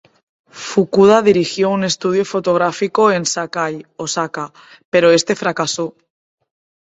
Fukuda dirigió un estudio fotográfico en Sakai, Osaka, pero este fracasó.